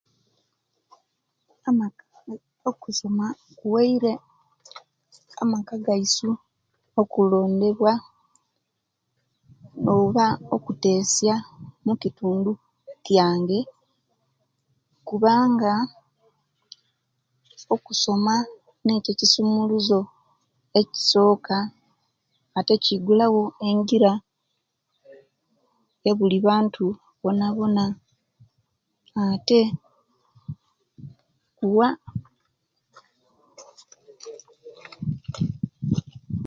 Okusoma kuwaire amaka gaisu okulondebwa oba kutesa mukitundu kyange kubanga okusoma niikyo ekisumuluzo ekisoka ate kiigulawo engira eyabuli bantu bonabona ate rwa